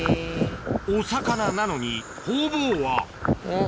お魚なのにホウボウはうん？